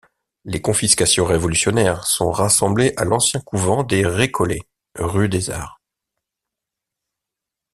Les confiscations révolutionnaires sont rassemblées à l'ancien couvent des récollets, rue des arts.